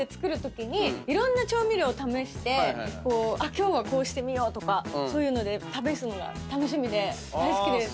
今日はこうしてみようとかそういうので試すのが楽しみで大好きです。